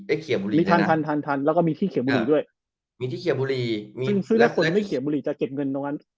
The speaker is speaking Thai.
เขียวบุรีมีทันทันแล้วก็มีที่เขียวบุหรี่ด้วยมีที่เขียวบุรีมีซื้อแล้วคนไม่เขียบุหรี่จะเก็บเงินตรงนั้น